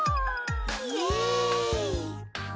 イエイ。